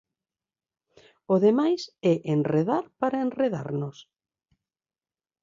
O demais é enredar para enredarnos.